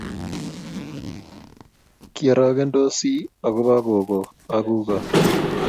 kiorokensoti akubo gogoe ak kukoe